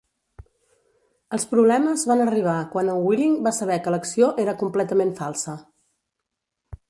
Els problemes van arribar quan en Willing va saber que l'acció era completament falsa.